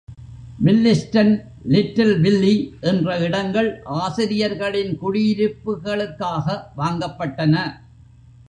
Williston, little Willie என்ற இடங்கள் ஆசிரியர்களின் குடியிருப்புகளுக்காக வாங்கப்பட்டன.